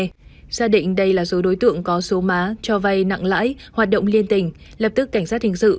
gia đình đây là số đối tượng có số má cho vay nặng lãi hoạt động liên tình lập tức cảnh sát hình sự